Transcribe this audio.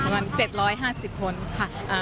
มาเท่าไหร่ประมาณ๗๕๐คนค่ะ